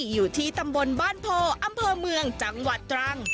อยู่ที่ตำบลบ้านโพอำเภอเมืองจังหวัดตรัง